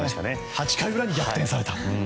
８回裏に逆転されたという。